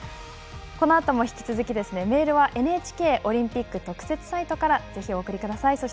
このあとも引き続き、メールはＮＨＫオリンピック特設サイトからぜひ、お送りください。